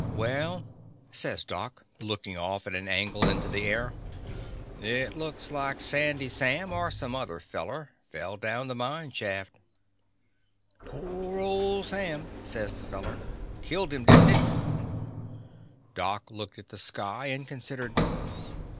'"Well,'' says Doc, lookin' off at an angle into the air, "it looks like Sandy Sam, or some other feller, fell down the mine shaft/' 'Toor old Sam," says the feller, "killed him, did n't itr [551 The Confessions of a Daddy Doc looked at the sky and con sidered.